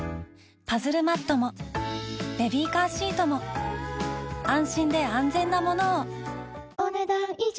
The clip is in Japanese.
パズルマットもベビーカーシートも安心で安全なものをお、ねだん以上。